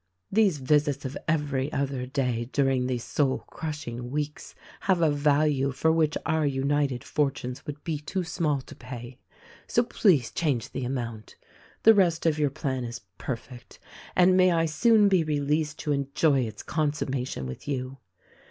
"These visits of every other day during these soul crush ing weeks have a value for which our united fortunes would be too small to pay. So, please change the amount. "The rest of your plan is perfect — and may I soon be released to enjoy its consumation with you